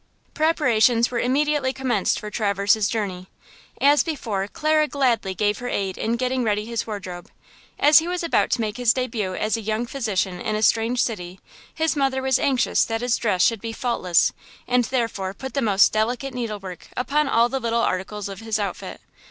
Preparations were immediately commenced for Traverse's journey. As before, Clara gladly gave her aid in getting ready his wardrobe. As he was about to make his debut as a young physician in a strange city, his mother was anxious that his dress should be faultless; and, therefore, put the most delicate needlework upon all the little articles of his outfit.